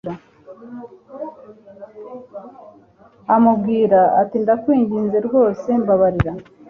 amubwira atindakwinginze rwose mbabarira